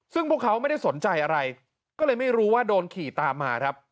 ซึ่งพวกเขาไม่ได้สนใจอะไรก็เลยไม่รู้ว่าโดนขี่ตามมาครับ